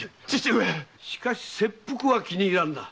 しかし切腹は気に入らんな。